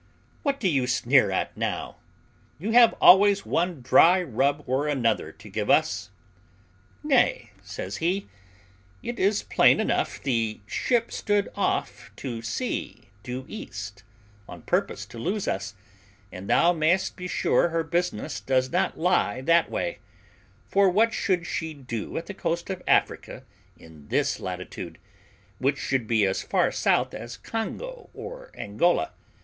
"What do you sneer at now? You have always one dry rub or another to give us." "Nay," says he, "it is plain enough the ship stood off to sea due east, on purpose to lose us, and thou mayest be sure her business does not lie that way; for what should she do at the coast of Africa in this latitude, which should be as far south as Congo or Angola?